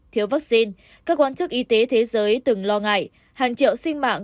thiếu vaccine các quan chức y tế thế giới từng lo ngại hàng triệu sinh mạng